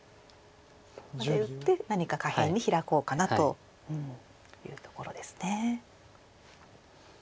ここまで打って何か下辺にヒラこうかなというところですね。